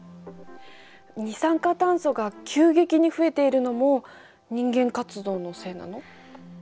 二酸化炭素が急激に増えているのも人間活動のせいなの？